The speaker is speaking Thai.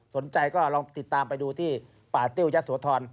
สนใจก็ลองติดตามไปดูที่ป่าติ้วยะโสธร